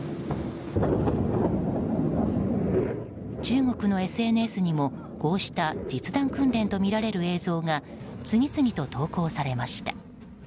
中国のＳＮＳにも、こうした実弾訓練とみられる映像が次々と投稿されました。